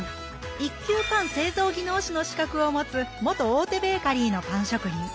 １級パン製造技能士の資格を持つ元大手ベーカリーのパン職人。